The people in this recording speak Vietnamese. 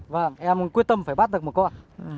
vâng em quyết tâm phải bắt được một con